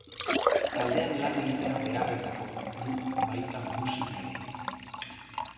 Taldean lan egitea beharrezko du, baita musika ere.